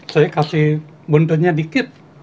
saya kasih buntutnya dikit